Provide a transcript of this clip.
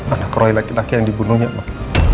anak roy laki laki yang dibunuhnya pak